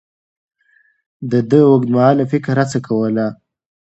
ده د اوږدمهاله فکر هڅه کوله.